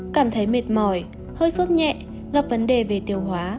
cảm thấy mệt mỏi hơi suốt nhẹ gặp vấn đề về tiêu hóa